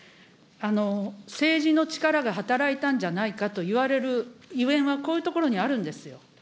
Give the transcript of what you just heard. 政治の力が働いたんじゃないかといわれるゆえんはこういうところにあるんですよ。